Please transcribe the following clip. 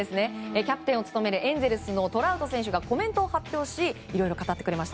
キャプテンを務めるエンゼルスのトラウト選手がコメントを発表しいろいろ語ってくれました。